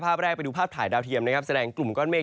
ภาพแรกไปดูภาพถ่ายดาวเทียมนะครับแสดงกลุ่มก้อนเมฆ